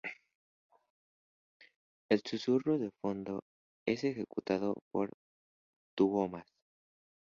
El susurro de fondo es ejecutado por Tuomas.